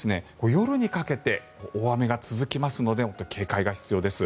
夜にかけて大雨が続きますので本当に警戒が必要です。